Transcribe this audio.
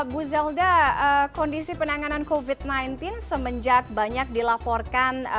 bu zelda kondisi penanganan covid sembilan belas semenjak banyak dilaporkan